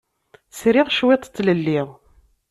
Sriɣ cwiṭ n tlelli.